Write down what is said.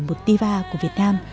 một diva của việt nam